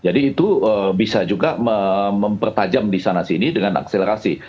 jadi itu bisa juga mempertajam disana sini dengan akselerasi